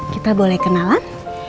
kita boleh kenalan